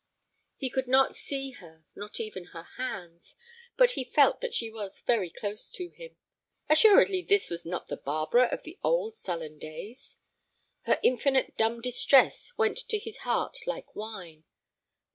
He could not see her, not even her hands, but he felt that she was very close to him. Assuredly this was not the Barbara of the old sullen days? Her infinite dumb distress went to his heart like wine.